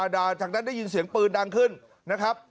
จากนั้นได้ยินเสียงปืนดังขึ้นนะครับ